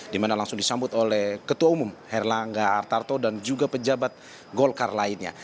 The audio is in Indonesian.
di mana langsung disambut oleh ketua umum herlangga hartarto dan juga pejabat golkar lainnya